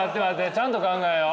ちゃんと考えよう。